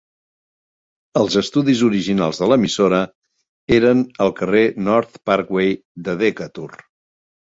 Els estudis originals de l'emissora eren al carrer North Parkway de Decatur.